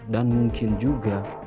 dan mungkin juga